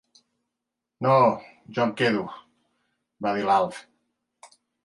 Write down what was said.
No, jo em quedo —va dir l'Alf—.